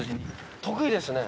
得意ですね。